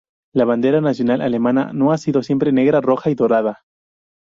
La bandera nacional alemana no ha sido siempre negra, roja y dorada.